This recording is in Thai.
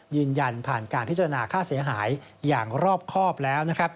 ยืนยันผ่านการพิจารณาค่าเสียหายอย่างรอบครอบแล้วนะครับ